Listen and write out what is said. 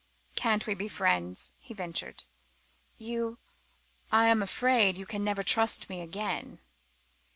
"Can't we be friends?" he ventured. "You I am afraid you can never trust me again."